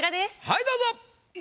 はいどうぞ。